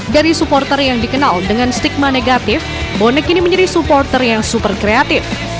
dari supporter yang dikenal dengan stigma negatif bonek kini menjadi supporter yang super kreatif